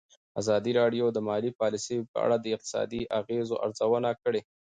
ازادي راډیو د مالي پالیسي په اړه د اقتصادي اغېزو ارزونه کړې.